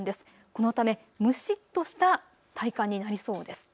このため蒸しっとした体感になりそうです。